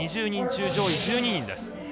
２０人中、上位１２人です。